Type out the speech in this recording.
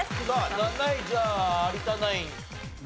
７位じゃあ有田ナイン。